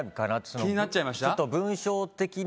気になっちゃいました？